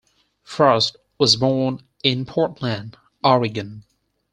Frost was born in Portland, Oregon.